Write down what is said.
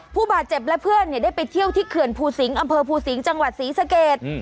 ผู้บาดเจ็บและเพื่อนได้ไปเที่ยวที่เขื่อนภูสิงศ์อำเภอภูสิงศ์จังหวัดศรีสเกต